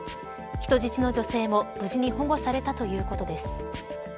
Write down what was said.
人質の女性も無事に保護されたということです。